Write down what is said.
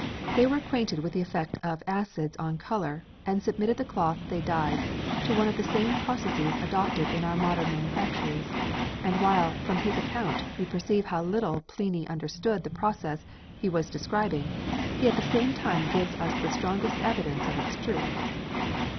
They were acquainted with the effect of acids on colour, and submitted the cloth they dyed to one of the same processes adopted in our modern manufactories; and while, from his account, we perceive how little Pliny understood the process he was describing, he at the same time gives us the strongest evidence of its truth."